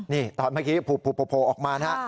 นี่ตอนเมื่อกี้โผล่ออกมานะฮะ